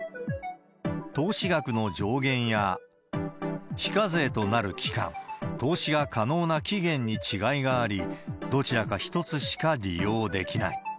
投資額の上限や非課税となる期間、投資が可能な期限に違いがあり、どちらか１つしか利用できない。